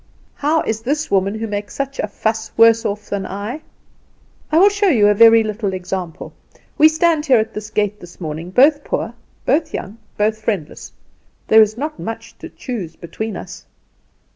How is this woman who makes such a fuss worse off than I? I will show you by a very little example. We stand here at this gate this morning, both poor, both young, both friendless; there is not much to choose between us.